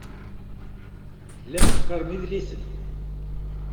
Tellam teqqarem idlisen.